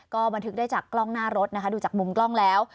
ก็บันทึกได้จากกล้องหน้ารถนะคะดูจากมุมกล้องแล้ว